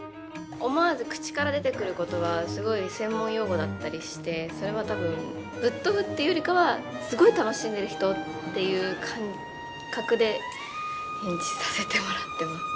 思わず口から出てくる言葉はすごい専門用語だったりしてそれは多分ぶっ飛ぶっていうよりかはすごい楽しんでる人っていう感覚で演じさせてもらってます。